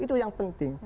itu yang penting